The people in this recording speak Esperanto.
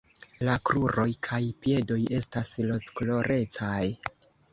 La kruroj kaj piedoj estas rozkolorecaj.